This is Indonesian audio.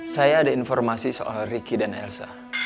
saya ada informasi soal ricky dan elsa